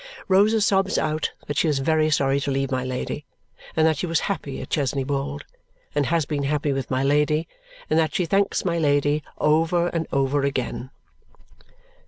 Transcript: Rosa sobs out that she is very sorry to leave my Lady, and that she was happy at Chesney Wold, and has been happy with my Lady, and that she thanks my Lady over and over again.